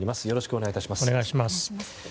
よろしくお願いします。